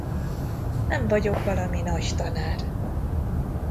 Nem vagyok valami nagy tanár.